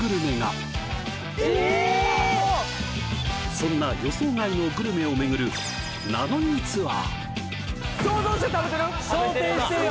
そんな予想外のグルメを巡る・昇天してるよ・